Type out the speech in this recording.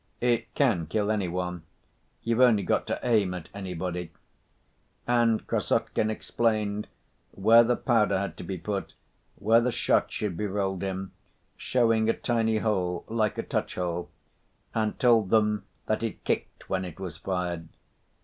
"It can kill any one; you've only got to aim at anybody," and Krassotkin explained where the powder had to be put, where the shot should be rolled in, showing a tiny hole like a touch‐hole, and told them that it kicked when it was fired.